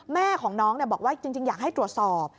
แม่ของน้องบอกว่าจริงอยากให้ตรวจสอบ